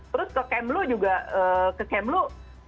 terus ke kemlu juga ke kemlu